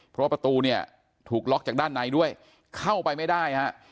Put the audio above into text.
เพราะประตูเนี่ยถูกล็อกจากด้านในด้วยเข้าไปไม่ได้ฮะ